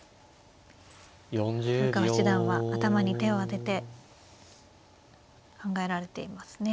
豊川七段は頭に手を当てて考えられていますね。